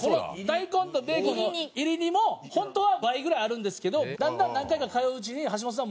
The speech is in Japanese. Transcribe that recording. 大根とベーコンの炒り煮も本当は倍ぐらいあるんですけどだんだん何回か通ううちに「橋本さん